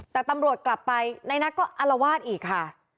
แต่ตำรวจกลับไปในนัทก็อลวาสอีกค่ะ